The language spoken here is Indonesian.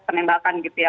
penembakan gitu ya